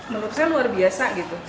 menurut saya luar biasa gitu